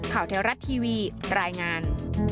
ข่าวแท้รัฐทีวีรายงาน